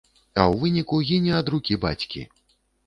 А ў выніку гіне ад рукі бацькі.